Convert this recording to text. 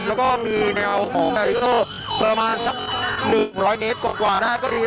แล้วก็มีแนวของประมาณสักหนึ่งร้อยเมตรกว่าได้ก็ดี